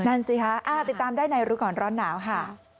นั่นสิคะติดตามได้ในรู้ก่อนร้อนหนาวค่ะ